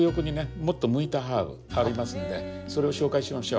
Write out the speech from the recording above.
もっと向いたハーブありますんでそれを紹介しましょう。